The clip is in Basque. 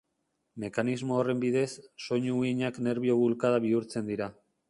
Mekanismo horren bidez, soinu-uhinak nerbio-bulkada bihurtzen dira.